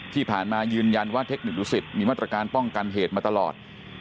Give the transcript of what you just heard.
ที่ผ่านมายืนยันว่าเทคนิคดุสิตมีมาตรการป้องกันเหตุมาตลอด